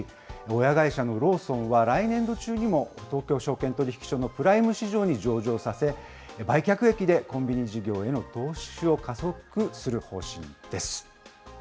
親会社のローソンは、来年度中にも東京証券取引所のプライム市場に上場させ、売却益でコンビニ事業への投資を加速する方針です。